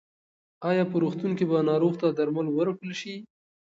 ایا په روغتون کې به ناروغ ته درمل ورکړل شي؟